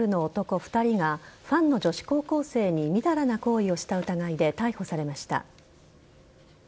２人がファンの女子高校生に淫らな行為をした疑いで逮捕されました。